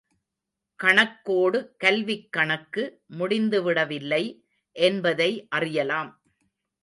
கணக்கோடு, கல்விக் கணக்கு முடிந்துவிடவில்லை என்பதை அறியலாம்.